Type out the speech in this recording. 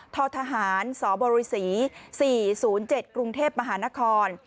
พ่อทหารสบศ๔๐๗กรุงเทพฯมหานคร